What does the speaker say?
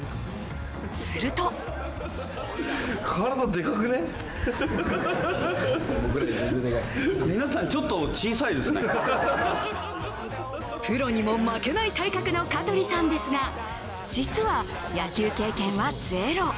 するとプロにも負けない体格の香取さんですが実は野球経験はゼロ。